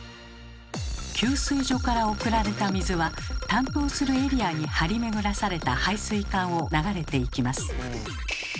給水所から送られた水は担当するエリアに張り巡らされた配水管を流れていきます。